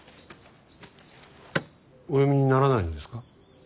お読みにならないのですか。